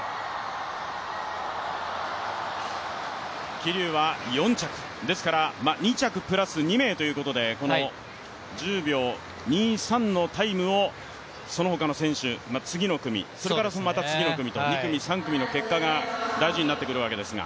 桐生は４着、ですから２着プラス２名ということで１０秒２３のタイムをそのほかの選手、次の組、それからまたその次の組、２組、３組の結果が大事になってくるわけですが。